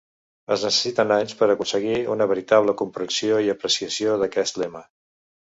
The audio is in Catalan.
Es necessiten anys per a aconseguir una veritable comprensió i apreciació d'aquest lema.